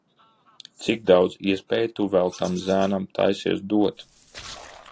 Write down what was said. Cik daudz iespēju tu vēl tam zēnam taisies dot?